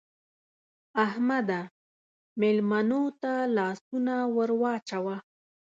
احمده! مېلمنو ته لاسونه ور واچوه.